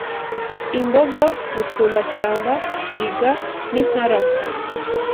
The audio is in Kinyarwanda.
imbogo, musumbashyamba twiga n’impala